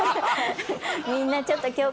みんなちょっと。